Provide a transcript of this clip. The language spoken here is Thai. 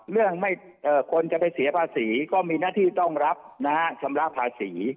เรื่องคนจะไปเสียภาษีก็มีหน้าที่ต้องรับนะฮะชำระภาษี